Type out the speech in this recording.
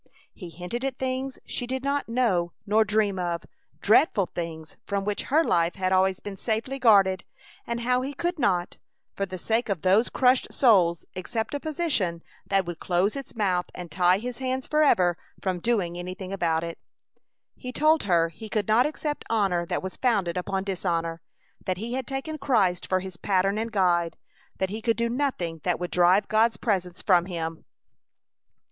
He hinted at things she did not know nor dream of; dreadful things from which her life had always been safely guarded; and how he could not, for the sake of those crushed souls, accept a position that would close his mouth and tie his hands forever from doing anything about it. He told her he could not accept honor that was founded upon dishonor; that he had taken Christ for his pattern and guide; that he could do nothing that would drive God's presence from him.